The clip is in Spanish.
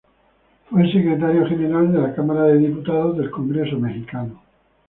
Fue secretario general de la H. Cámara de Diputados del Congreso Mexicano.